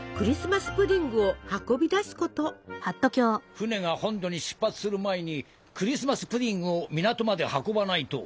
船が本土に出発する前にクリスマス・プディングを港まで運ばないと。